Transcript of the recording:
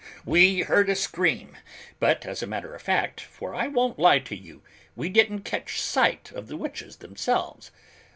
We heard a scream, but as a matter of fact, for I won't lie to you, we didn't catch sight of the witches themselves.